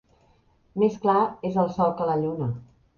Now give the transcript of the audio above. Més clar és el sol que la lluna.